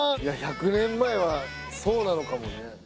１００年前はそうなのかもね。